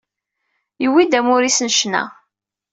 Yewwi-d amur-is n ccna.